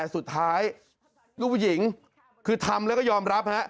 สุดท้ายลูกผู้หญิงคือทำแล้วก็ยอมรับ